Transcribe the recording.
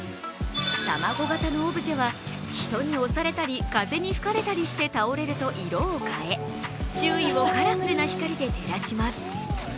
卵形のオブジェは人に押されたり、風に吹かれたりして倒れると色を変え、周囲をカラフルな光で照らします。